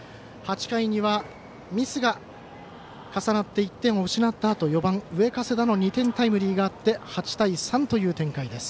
８回の裏にはミスが重なって４番、上加世田の２点タイムリーがあって８対３という展開。